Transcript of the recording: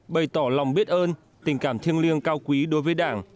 bày tỏ lòng biết ơn tình cảm thiêng liêng cao quý đối với đảng